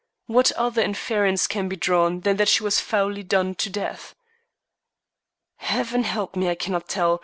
What other inference can be drawn than that she was foully done to death?" "Heaven help me, I cannot tell.